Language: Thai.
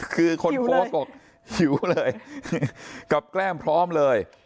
กลับแกล้มพร้อมเลย